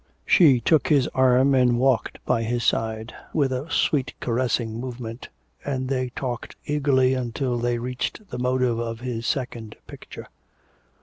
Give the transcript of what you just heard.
She took his arm and walked by his side with a sweet caressing movement, and they talked eagerly until they reached the motive of his second picture.